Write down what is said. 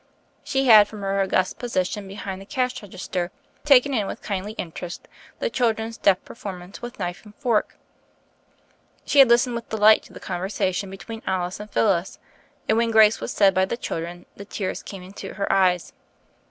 She had, from her august position behind the cash regis ter, taken in with kindly interest the childrens deft performance with knife and fork; she had listened with delight to the conversation be tween Alice and Phyllis; and, when grace was said by the children, the tears came into her eyes.